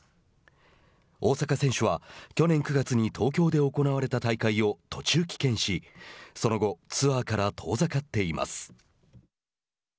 大坂選手は去年９月に東京で行われた大会を途中棄権しその後、ツアーから遠ざかっています。